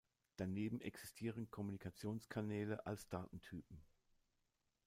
Daneben existieren Kommunikationskanäle als Datentypen.